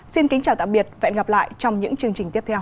xin kính chào tạm biệt và hẹn gặp lại trong những chương trình tiếp theo